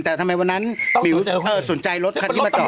แต่ทำไมวันนั้นหมิวสนใจรถคันที่มาจอด